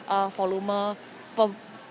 volume mobil yang berada di kota